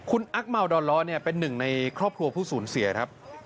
คุณอั๊กเมาดอนล้อเป็น๑ในครอบครัวผู้ศูนย์เสียครับ